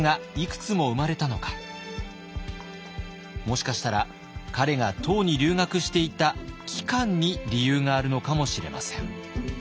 もしかしたら彼が唐に留学していた期間に理由があるのかもしれません。